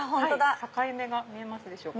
境目が見えますでしょうか？